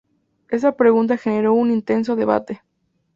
Esa pregunta generó un intenso debate.